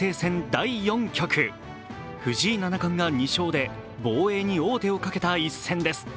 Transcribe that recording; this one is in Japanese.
第４局藤井七冠が２勝で防衛に王手をかけた一戦です。